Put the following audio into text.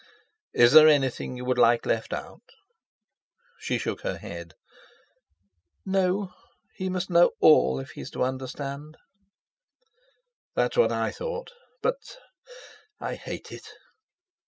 "Is there anything you would like left out?" She shook her head. "No; he must know all, if he's to understand." "That's what I thought, but—I hate it!"